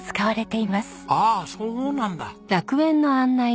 ああそうなんだ。